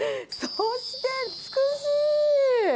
そして美しい！